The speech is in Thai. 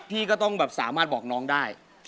พี่ก็ต้องแบบสามารถบอกน้องได้